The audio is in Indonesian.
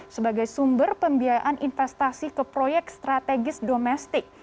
sebagai sumber pembiayaan investasi ke proyek strategis domestik